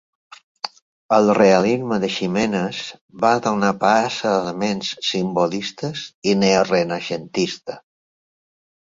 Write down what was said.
El realisme de Ximenes va donar pas a elements simbolistes i neo-renaixentista.